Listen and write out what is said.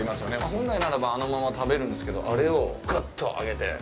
本来ならばあのまま食べるんですけどあれを、がっと揚げて。